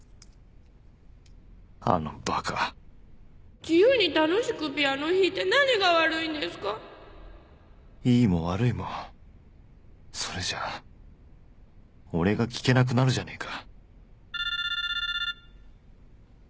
あのバカ自由に楽しくピアノ弾いて何がいいも悪いもそれじゃあ俺が聴けなくなるじゃねえか